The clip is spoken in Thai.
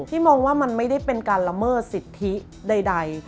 มองว่ามันไม่ได้เป็นการละเมิดสิทธิใด